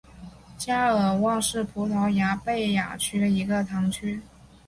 加尔旺是葡萄牙贝雅区的一个堂区。